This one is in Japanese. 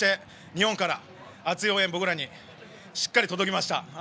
日本から熱い応援が僕らにしっかり届きました。